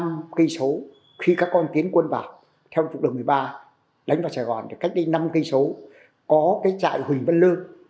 năm cây số khi các con tiến quân vào theo trục đường một mươi ba đánh vào sài gòn thì cách đây năm cây số có cái trại huỳnh văn lương